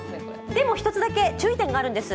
でも１つだけ注意点があるんです。